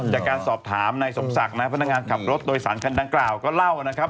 จากการสอบถามนายสมศักดิ์นะพนักงานขับรถโดยสารคันดังกล่าวก็เล่านะครับ